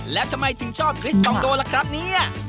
แล้วทำไมถึงชอบคริสตองโดล่ะครับเนี่ย